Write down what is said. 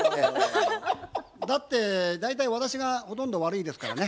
だって大体私がほとんど悪いですからね。